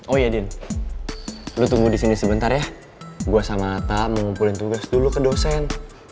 oh iya din lo tunggu di sini sebentar ya gue sama ata mau ngumpulin tugas dulu ke dosen